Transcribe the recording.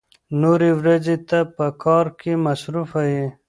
نورې ورځې ته په کار کې مصروف يې.